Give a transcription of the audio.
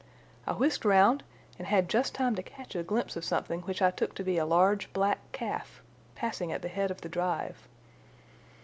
I whisked round and had just time to catch a glimpse of something which I took to be a large black calf passing at the head of the drive.